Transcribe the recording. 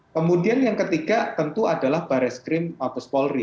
kemudian yang ketiga tentu adalah baris krim mabes polri